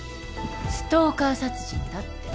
ストーカー殺人だって。